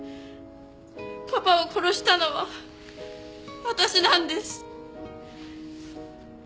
パパを殺したのは私なんです。